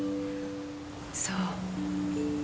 そう。